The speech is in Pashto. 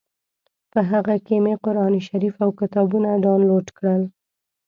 په هغه کې مې قران شریف او کتابونه ډاونلوډ کړل.